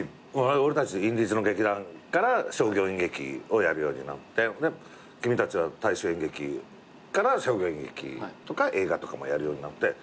俺たちインディーズの劇団から商業演劇をやるようになって君たちは大衆演劇から商業演劇とか映画とかもやるようになって。